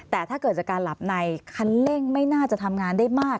แต่ถ้าเกิดจากการหลับในคันเร่งไม่น่าจะทำงานได้มาก